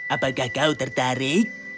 apakah kau tertarik